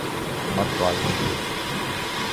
მათ ვაჟი შეეძინათ.